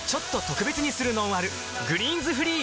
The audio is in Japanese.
「グリーンズフリー」